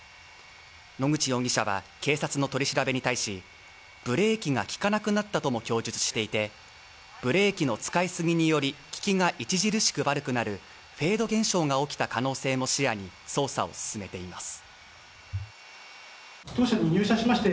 野口容疑者は警察の取り調べに対しブレーキが利かなくなったと供述していて、ブレーキの使いすぎにより利きが著しく悪くなるフェード現象が起きた可能性も視野に捜査を進めています。